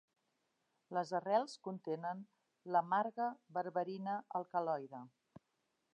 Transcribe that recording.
Les arrels contenen l'amarga berberina alcaloide.